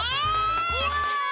うわ！